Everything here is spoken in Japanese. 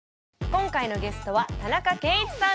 今回のゲストは田中圭一さんです。